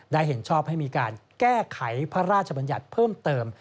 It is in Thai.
เห็นชอบให้มีการแก้ไขพระราชบัญญัติเพิ่มเติม